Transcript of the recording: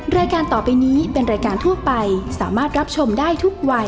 รายการต่อไปนี้เป็นรายการทั่วไปสามารถรับชมได้ทุกวัย